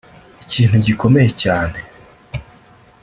Ikintu gikomeye cyane